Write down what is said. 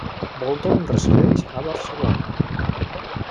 Bolton resideix a Barcelona.